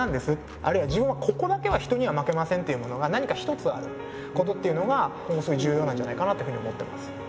あるいは自分はここだけは人には負けませんっていうものが何か一つあることっていうのがものすごい重要なんじゃないかなというふうに思ってます。